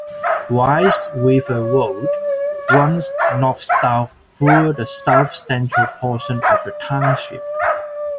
Rice River Road runs north-south through the south-central portion of the township.